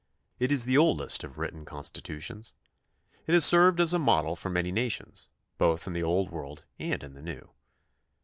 It is the oldest of written constitutions. It has served as a model for many nations, both in the Old World and in the New.